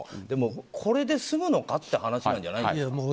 でもこれで済むのかっていう話なんじゃないんですか。